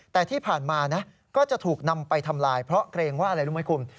แต่ที่ผ่านมานะก็จะถูกนำไปทำลายเพราะเกรงว่าอะไรรู้ไหมคุณ